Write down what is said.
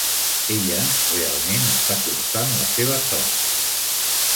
Ella realment està forçant la seva sort!